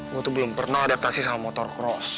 gue tuh belum pernah adaptasi sama motocross